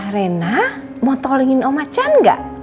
rena mau tolongin om achan gak